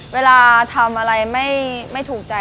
เวลาทำอะไรไม่ถูกใจ